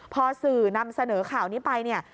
พอสื่อนำเสนอข่าวนี้ไป